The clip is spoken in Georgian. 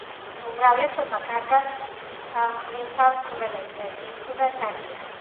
უმრავლესობა კარგად ყვინთავს, ხმელეთზე კი ცუდად დადიან.